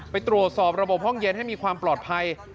ไปตรวจสอบระบบห้องเย็นให้มีความปลอดภัย